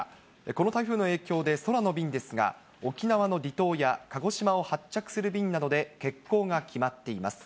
この台風の影響で、空の便ですが、沖縄の離島や、鹿児島を発着する便などで欠航が決まっています。